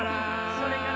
「それから」